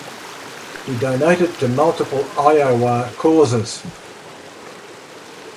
He donated to multiple Iowa causes.